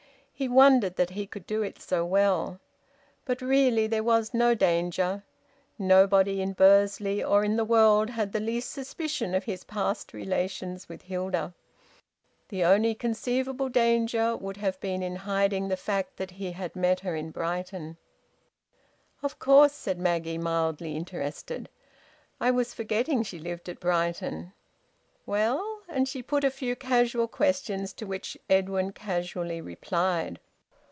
He wondered that he could do it so well. But really there was no danger. Nobody in Bursley, or in the world, had the least suspicion of his past relations with Hilda. The only conceivable danger would have been in hiding the fact that he had met her in Brighton. "Of course," said Maggie, mildly interested. "I was forgetting she lived at Brighton. Well?" and she put a few casual questions, to which Edwin casually replied.